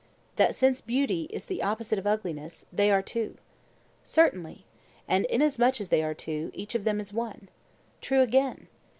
That since beauty is the opposite of ugliness, they are two? Certainly. And inasmuch as they are two, each of them is one? True again.